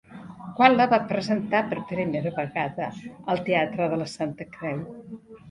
Quan la va presentar per primera vegada el teatre de la Santa Creu?